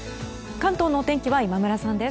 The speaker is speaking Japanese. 関東のお天気は今村さんです。